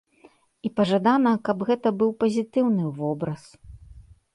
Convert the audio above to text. І пажадана, каб гэта быў пазітыўны вобраз.